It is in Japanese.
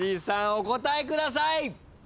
お答えください！